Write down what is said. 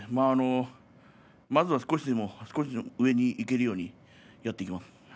まずは少しでも上にいけるようにやっていきます。